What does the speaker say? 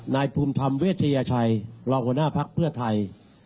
นายภูมิธรรมเวชยชัยรองหัวหน้าภักดิ์เพื่อไทย